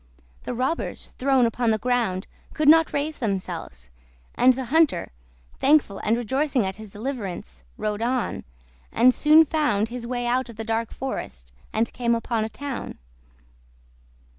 The robbers, thrown upon the ground, could not raise themselves, and the hunter, thankful and rejoicing at his deliverance, rode on, and soon found his way out of the dark forest, and came upon a town.